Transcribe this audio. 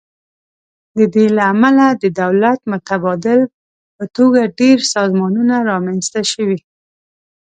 د دې له امله د دولت متبادل په توګه ډیر سازمانونه رامینځ ته شوي.